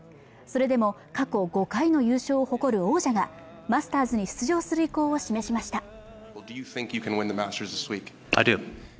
それでも過去５回の優勝を誇る王者がマスターズに出場する意向を示しました